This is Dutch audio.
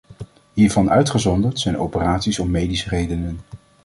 Hiervan uitgezonderd zijn operaties om medische redenen.